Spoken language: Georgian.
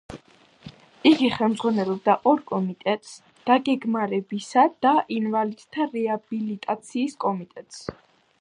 იგი ხელმძღვანელობდა ორ კომიტეტს დაგეგმარებისა და ინვალიდთა რეაბილიტაციის კომიტეტებს.